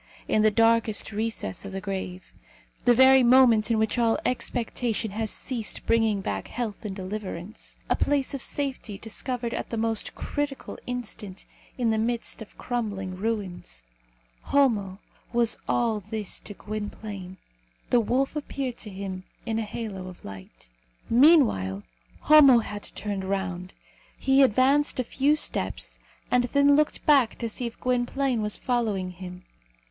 in the darkest recess of the grave; the very moment in which all expectation has ceased bringing back health and deliverance; a place of safety discovered at the most critical instant in the midst of crumbling ruins Homo was all this to Gwynplaine. The wolf appeared to him in a halo of light. Meanwhile, Homo had turned round. He advanced a few steps, and then looked back to see if Gwynplaine was following him.